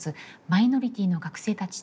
マイノリティーの学生たち。